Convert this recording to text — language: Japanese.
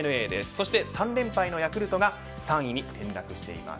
そして３連敗のヤクルトが３位に転落しています。